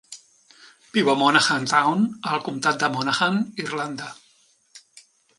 Viu a Monaghan Town, al comtat de Monaghan, Irlanda.